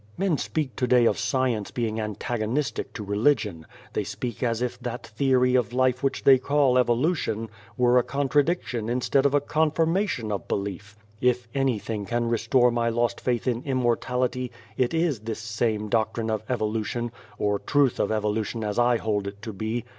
" Men speak to day of science being antago nistic to religion. They speak as if that theory of life which they call Evolution were a contradiction instead of a confirmation of belief. " If anything can restore my lost faith in Immortality, it is this same doctrine of Evolu tion or truth of Evolution as I hold it to be.